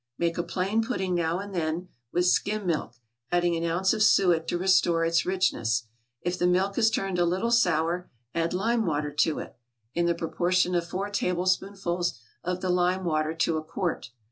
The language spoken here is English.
Make a plain pudding now and then, with skim milk, adding an ounce of suet to restore its richness. If the milk has turned a little sour add lime water to it, in the proportion of four tablespoonfuls of the lime water to a quart.